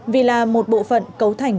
vì là một bộ phận cấu thành